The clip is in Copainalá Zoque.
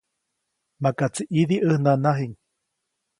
Makaʼtsi ʼidi ʼäj nanajiʼŋ.